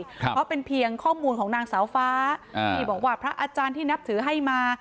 เพราะเป็นเพียงข้อมูลของนางสาวฟ้าที่บอกว่าพระอาจารย์ที่นับถือให้มา